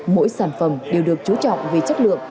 mỗi sản phẩm đều được chú trọng về chất lượng